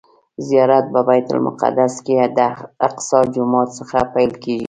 زیارت په بیت المقدس کې د الاقصی جومات څخه پیل کیږي.